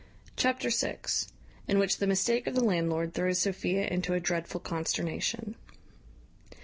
Chapter vi. In which the mistake of the landlord throws Sophia into a dreadful consternation.